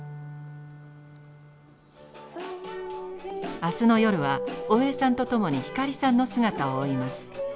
明日の夜は大江さんと共に光さんの姿を追います。